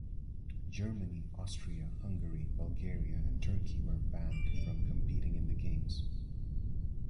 Germany, Austria, Hungary, Bulgaria and Turkey were banned from competing in the Games.